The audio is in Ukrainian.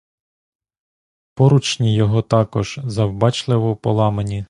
Поручні його також завбачливо поламані.